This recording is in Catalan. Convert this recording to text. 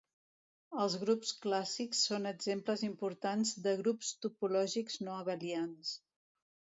Els grups clàssics són exemples importants de grups topològics no abelians.